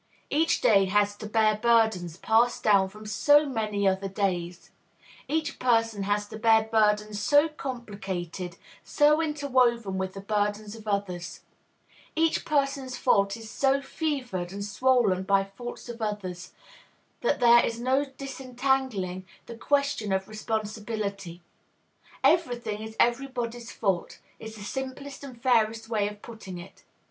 Each day has to bear burdens passed down from so many other days; each person has to bear burdens so complicated, so interwoven with the burdens of others; each person's fault is so fevered and swollen by faults of others, that there is no disentangling the question of responsibility. Every thing is everybody's fault is the simplest and fairest way of putting it.